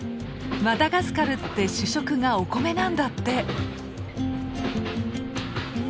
マダガスカルって主食がお米なんだって。